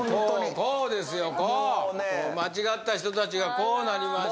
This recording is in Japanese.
こうもうね間違った人たちがこうなりました